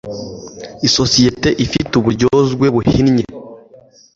isosiyete ifite uburyozwe buhinnye